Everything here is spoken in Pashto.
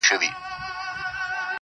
ستا د واده شپې ته شراب پيدا کوم څيښم يې,